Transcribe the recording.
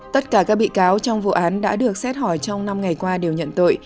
tất cả các bị cáo trong vụ án đã được xét hỏi trong năm ngày qua đều nhận tội